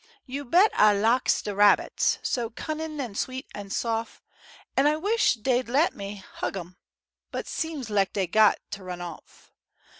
Yo' bet ah laks de rabbits— So cunnin' an' sweet an' sof', An' ah wish dey'd lait me hug 'em, But seems lak dey got t' run off.